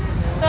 nhập nhanh đấy